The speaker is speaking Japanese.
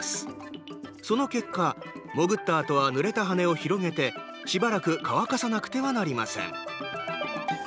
その結果、潜ったあとはぬれた羽を広げてしばらく乾かさなくてはなりません。